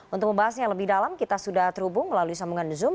untuk membahasnya lebih dalam kita sudah terhubung melalui sambungan zoom